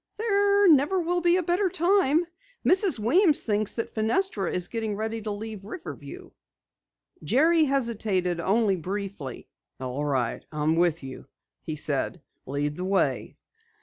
"There never will be a better time. Mrs. Weems thinks that Fenestra is getting ready to leave Riverview." Jerry hesitated only briefly. "All right, I'm with you," he said. "Lead the way."